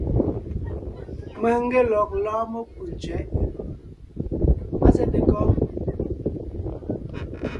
Mèŋ n ge lɔg lɔ́ɔn mekú tsẅɛ̌ʼ. Á zɛ́te kɔ́?